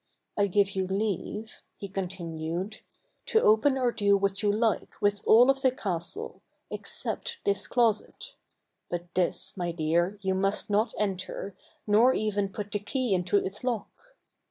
I give you leave," he con tinued " to open or do what you like, with all of the castle, except this closet ; but this, my dear, you must not enter, nor even put the key into its lock.